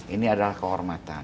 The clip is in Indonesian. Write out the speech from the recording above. ini adalah kehormatan